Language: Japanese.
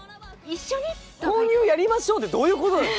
購入やりましょうってどういうことなの？